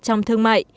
trong thương mại